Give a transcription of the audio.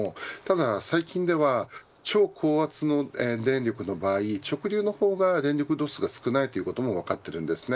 最近では超高圧の電力の場合、直流の方が電力ロスが少ないというのも分かっています。